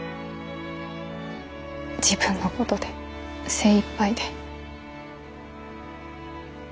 自分のことで精いっぱいで。